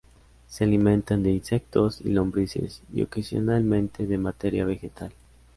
Se alimentan de insectos y lombrices, y ocasionalmente de materia vegetal.